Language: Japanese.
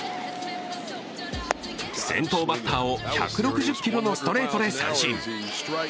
先頭バッターを１６０キロのストレートで三振。